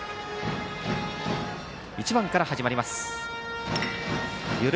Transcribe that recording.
１番から始まります。